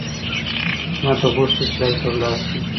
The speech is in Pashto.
ما ته غوښتل چې هلته لاړ شم.